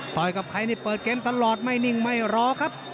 ต่อยกับใครเปิดเกมตลอดไม่นิ่งไม่ร้อครับ